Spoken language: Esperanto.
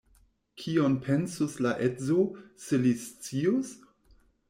Kion pensus la edzo, se li scius?